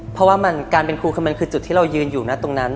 เพราะว่าการเป็นครูคือมันคือจุดที่เรายืนอยู่นะตรงนั้น